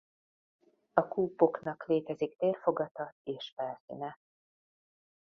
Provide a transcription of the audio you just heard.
A kúpoknak létezik térfogata és felszíne.